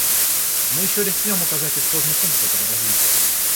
Мы еще рискнем указать исходный пункт этого развития.